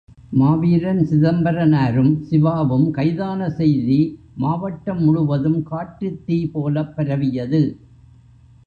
மாவீரன் சிதம்பரனாரும், சிவாவும் கைதான செய்தி மாவட்டம் முழுவதும் காட்டுத் தீ போலப் பரவியது.